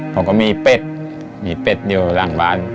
ผมก็มีเป็ดมีเป็ดอยู่หลังบ้าน